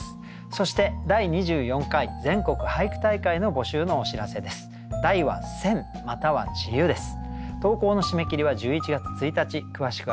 そして第２４回全国俳句大会の募集のお知らせです。